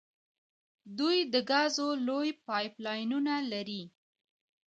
دوی د ګازو لویې پایپ لاینونه لري.